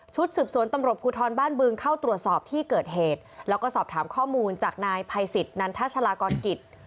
สืบสวนตำรวจภูทรบ้านบึงเข้าตรวจสอบที่เกิดเหตุแล้วก็สอบถามข้อมูลจากนายภัยสิทธิ์นันทชาลากรกิจ